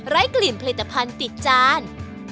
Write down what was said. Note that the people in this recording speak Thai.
กลิ่นผลิตภัณฑ์ติดจาน